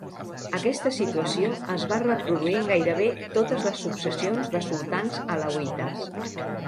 Aquesta situació es va reproduir en gairebé totes les successions de sultans alauites.